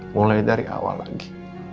mulai dari awal lagi